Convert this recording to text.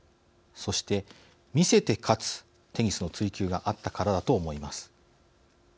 そして“魅せて勝つ”テニスの追求があったからだと思います。